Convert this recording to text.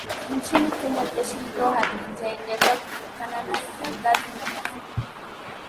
Nchini Kenya jeshi hilo halijaendelea kutokana na kiangazi na mafuriko